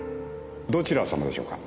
どちら様でしょうか？